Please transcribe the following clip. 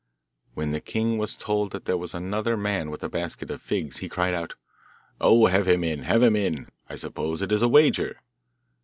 When the king was told that there was another man with a basket of figs he cried out, 'Oh, have him in, have him in! I suppose it is a wager!